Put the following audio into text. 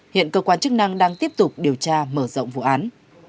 hiện cơ quan chức năng đang tiếp tục điều tra mở rộng vụ án